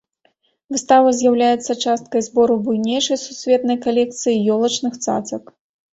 Выстава з'яўляецца часткай збору буйнейшай сусветнай калекцыі ёлачных цацак.